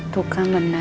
tuh kan bener